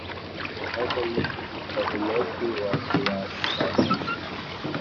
Nazo ni Kavumenti wazibatwajije